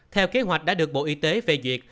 theo kế hoạch đã được bộ y tế phê duyệt